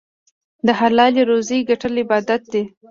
د حلالې روزۍ ګټل عبادت دی.